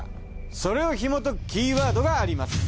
それをひもとくキーワードがあります。